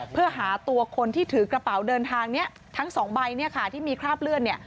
เพื่อหาตัวคนที่ถือกระเป๋าเดินทางทั้ง๒ใบที่มีคราบเลื่อน